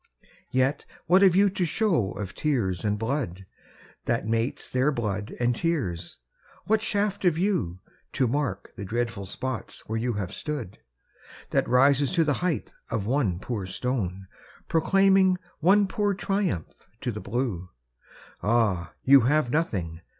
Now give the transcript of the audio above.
Yet what have you to show of tears and blood, That mates their blood and tears? What shaft have you, To mark the dreadful spots where you have stood, That rises to the height of one poor stone Proclaiming one poor triumph to the blue ? Ah, you have nothing!